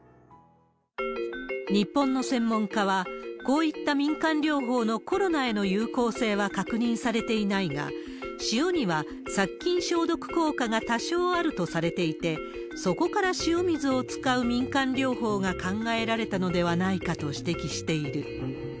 日本の専門家は、こういった民間療法のコロナへの有効性は確認されていないが、塩には殺菌消毒効果が多少あるとされていて、そこから塩水を使う民間療法が考えられたのではないかと指摘している。